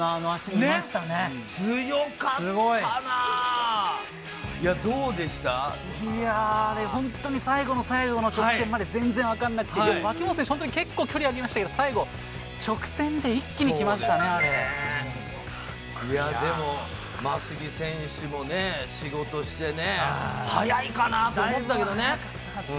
いやー、本当に最後の最後の直線まで全然分かんなくて、脇本選手、本当に結構距離ありましたけど、最後、でも、眞杉選手もね、仕事してね、速いかなと思ったけどね。